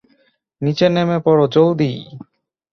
নিচে নেমে পড়ো জলদি!